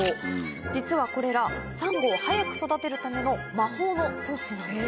実はこれらサンゴを早く育てるための魔法の装置なんです。